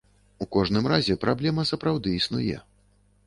У кожным разе, праблема сапраўды існуе.